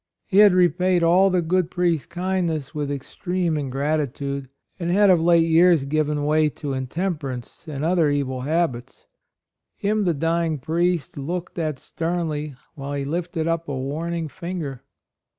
He had repaid all the good priest's kindness with extreme ingratitude, and had of late years given way to intemper ance and other evil habits. Him the dying priest looked at sternly, while he lifted up a warning finger.